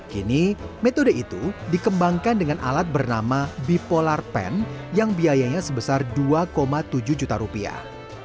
kini metode itu dikembangkan dengan alat bernama bipolar pen yang biayanya sebesar dua tujuh juta rupiah